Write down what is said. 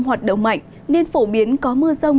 hoạt động mạnh nên phổ biến có mưa rông